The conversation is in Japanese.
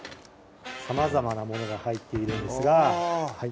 さまざまなものが入っているんですが